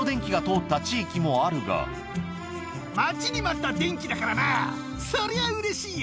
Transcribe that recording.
待ちに待った電気だからな、そりゃうれしいよ。